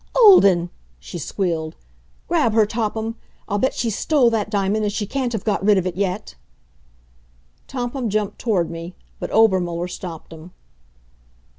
"Olden!" she squealed. "Grab her, Topham. I'll bet she stole that diamond, and she can't have got rid of it yet." Topham jumped toward me, but Obermuller stopped him.